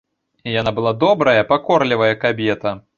Яна была добрая, пакорлівая кабета.